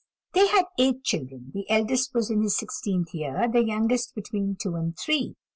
They had eight children; the eldest was in his sixteenth year, the youngest between two and three.